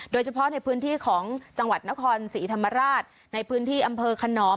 โดยเฉพาะในพื้นที่ของจังหวัดนครศรีธรรมราชในพื้นที่อำเภอขนอม